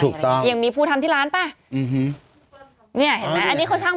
ถูกต้องอย่างมีผู้ทำที่ร้านป่ะอื้อฮือเนี้ยเห็นไหมอันนี้เขาช่าง